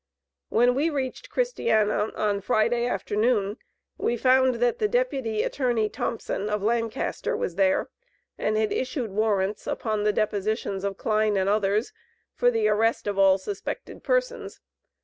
When we reached Christiana, on Friday afternoon, we found that the Deputy Attorney Thompson, of Lancaster, was there, and had issued warrants, upon the depositions of Kline and others, for the arrest of all suspected persons.